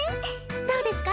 どうですか？